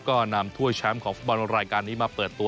ก็นำถ้วยแชมป์ของฟุตบอลรายการนี้มาเปิดตัว